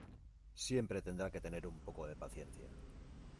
siempre tendrá que tener un poco de paciencia